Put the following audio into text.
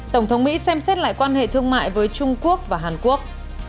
tổng thống mỹ xem xét lại quan hệ thương mại với trung quốc và hàn quốc